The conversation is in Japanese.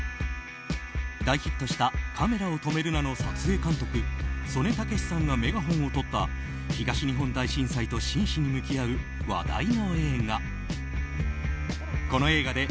大ヒットした「カメラを止めるな！」の撮影監督・曽根剛さんがメガホンをとった東日本大震災と真摯に向き合う話題の映画。